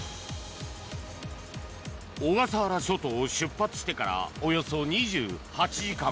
小笠原諸島を出発してからおよそ２８時間。